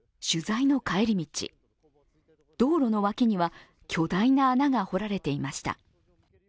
取材の帰り道、道路の脇には巨大な穴が掘られていました。